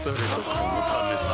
このためさ